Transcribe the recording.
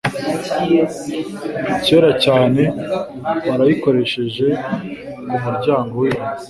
kera cyane barayikoresheje kumuryango wibanga